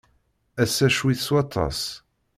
Ass-a ccwi s waṭas.